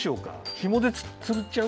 ひもでつるっちゃう？